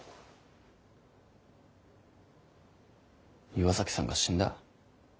岩崎さんが死んだ？